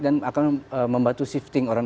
dan akan membantu shifting orang